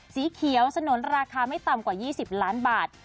สีเขียวสนุนราคาไม่ต่ำกว่า๒๐ล้านบาท